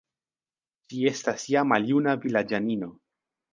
Ŝi estas ja maljuna vilaĝanino.